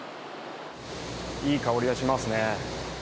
いい香りがしますね。